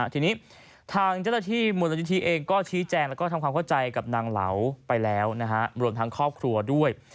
ทีนี้ทางเจ้าหน้าที่มูลนิธิเองก็ชี้แจงแล้วก็ทำความเข้าใจกับนางเหลาไปแล้วรวมทั้งครอบครัวด้วย